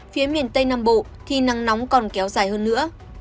phía miền tây nam bộ thì nắng nóng còn kéo dài hơn nữa